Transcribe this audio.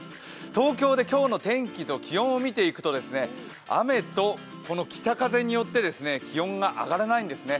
東京で今日の天気と気温を見ていくと雨と北風によって気温が上がらないんですね。